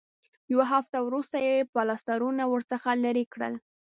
یوه هفته وروسته یې پلاسټرونه ورڅخه لرې کړل.